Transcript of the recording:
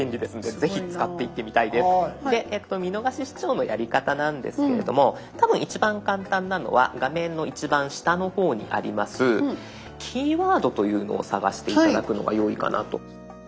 見逃し視聴のやり方なんですけれども多分一番簡単なのは画面の一番下の方にあります「キーワード」というのを探して頂くのがよいかなと。